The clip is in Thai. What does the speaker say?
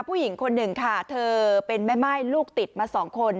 ผู้หญิงคนหนึ่งค่ะเธอเป็นแม่ม่ายลูกติดมาสองคน